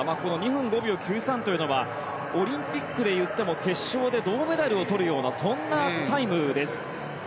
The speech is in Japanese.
２分５秒９３というのはオリンピックでいっても決勝で銅メダルをとるようなそんなタイムです。